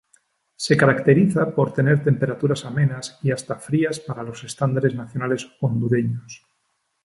Se caracteriza por tener temperaturas amenas, y hasta frías para los estándares nacionales hondureños.